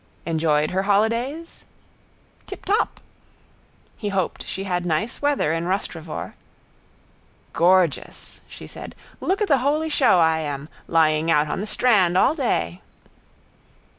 Enjoyed her holidays? —Tiptop. He hoped she had nice weather in Rostrevor. —Gorgeous, she said. Look at the holy show I am. Lying out on the strand all day.